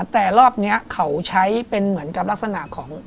แต่รอบนี้เขาใช้เป็นเหมือนกับลักษณะของ